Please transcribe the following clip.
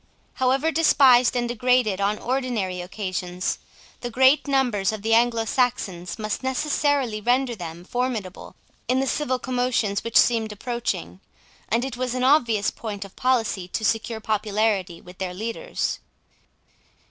However despised and degraded on ordinary occasions, the great numbers of the Anglo Saxons must necessarily render them formidable in the civil commotions which seemed approaching, and it was an obvious point of policy to secure popularity with their leaders.